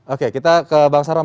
oke kita ke bang saram